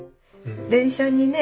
電車にね